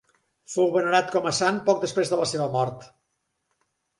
Fou venerat com a sant poc després de la seva mort.